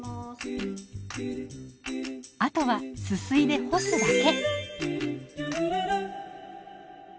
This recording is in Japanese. あとはすすいで干すだけ。